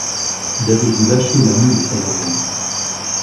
Il avait dû lâcher la main de sa maman.